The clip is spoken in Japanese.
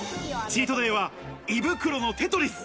チートデイは胃袋のテトリス。